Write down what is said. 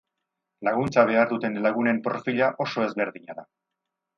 Laguntza behar duten lagunen profila oso ezberdina da.